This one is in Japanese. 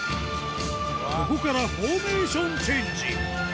ここからフォーメーションチェンジ